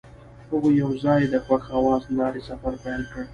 هغوی یوځای د خوښ اواز له لارې سفر پیل کړ.